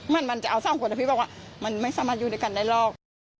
มันมันจะเอาสองคนนะพี่บอกว่ามันไม่สามารถอยู่ด้วยกันได้หรอก